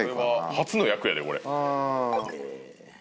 初の役やでこれ。